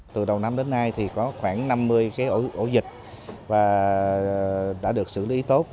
từ đầu năm đến nay thì có khoảng năm mươi cái ổ dịch và đã được xử lý tốt